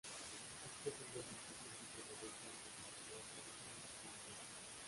Es posible que estos siervos se dedicaran a las tareas agrícolas y mineras.